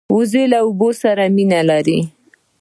وزې له اوبو سره مینه لري